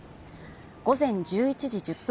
午前１１時１０分